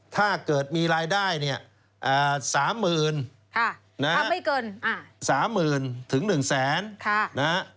ถ้าเกิดมีรายได้๓๐๐๐๐ถึง๑๐๐๐๐๐